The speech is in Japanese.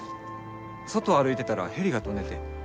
外歩いてたらヘリが飛んでて。